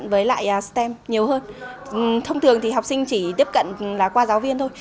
với lại stem nhiều hơn thông thường thì học sinh chỉ tiếp cận là qua giáo viên thôi